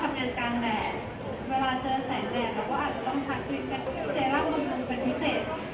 แจร์เป็นพิเศษเพราะว่าเราจะทำงานกลางแหล่ง